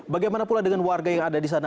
bagaimana pula dengan warga yang ada di sana